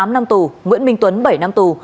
tám năm tù nguyễn minh tuấn bảy năm tù